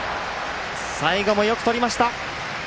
最後もよくとりました。